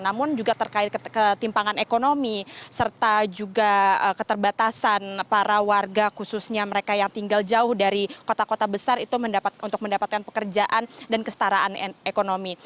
namun juga terkait ketimpangan ekonomi serta juga keterbatasan para warga khususnya mereka yang tinggal jauh dari kota kota besar itu untuk mendapatkan pekerjaan dan kestaraan ekonomi